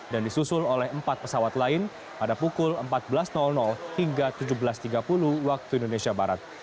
dan disusul oleh empat pesawat lain pada pukul empat belas hingga tujuh belas tiga puluh waktu indonesia barat